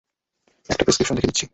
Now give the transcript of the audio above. একটা প্রেসক্রিপশন লিখে দিচ্ছি।